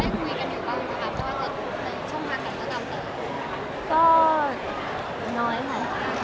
ทุกคนนี้ยังได้คุยกันหรือเปล่านะคะเพราะว่าในช่วงทางการกำลังเติม